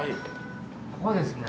ここですね。